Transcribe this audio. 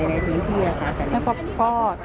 แล้วเรื่องความปลอดภัยในที่